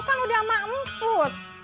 lu kan udah sama emput